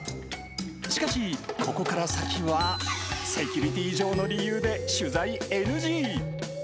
しかし、ここから先は、セキュリティー上の理由で取材ＮＧ！